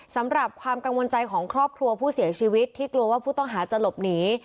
สำหรับความกังวลใจของครอบครัวผู้เสียชีวิตที่กลัวว่าผู้ต้องหาจะหลบหนี